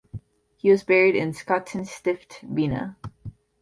He was buried in Schottenstift, Vienna.